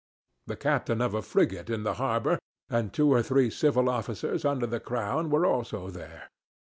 The captain of a frigate in the harbor and two or three civil officers under the Crown were also there.